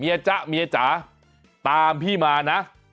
จ๊ะเมียจ๋าตามพี่มานะ